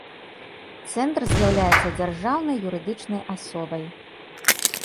Цэнтр з'яўляецца дзяржаўнай юрыдычнай асобай.